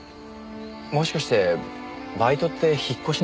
もしかしてバイトって引っ越しのために？